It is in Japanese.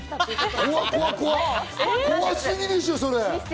怖すぎでしょ、それ。